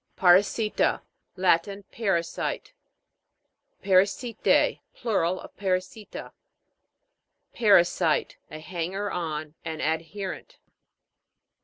PARASI'TA. Latin. Parasite. PARASI'T^E. Plural of Parasita. PA'RASITE. A hanger on, an ad herent.